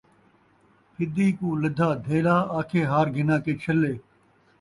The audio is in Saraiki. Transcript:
پھدی کوں لدھا دھیلا، آکھے ہار گھناں کے چھلا